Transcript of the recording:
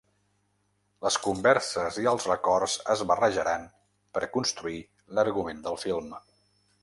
Les converses i els records es barrejaran per construir l’argument del film.